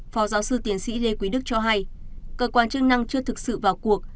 phó giáo sư tiến sĩ lê quý đức cho hay cơ quan chức năng chưa thực sự vào cuộc